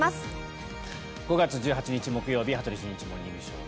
５月１８日、木曜日「羽鳥慎一モーニングショー」。